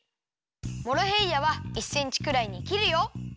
モロヘイヤは１センチくらいにきるよ。